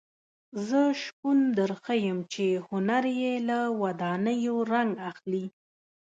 زه شپون درښیم چې هنر یې له ودانیو رنګ اخلي.